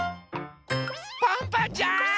パンパンちゃん！